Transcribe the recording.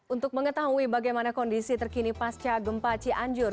untuk mengetahui bagaimana kondisi terkini pasca gempa cianjur